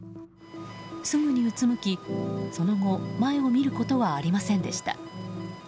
すぐにうつむき、その後前を見ることはありませんでした。